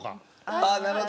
ああなるほど。